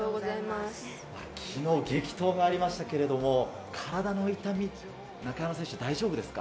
昨日、激闘がありましたけれど、体の痛み、中山選手、大丈夫ですか？